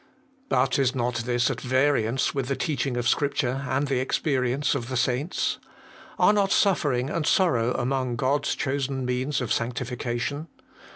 But is not this at variance with the teaching of Scripture and the experience of the saints ? Are not suffering and sorrow among God's chosen means of sanctification